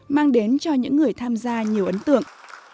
mang đến cho những người tham gia nhiều ấn tượng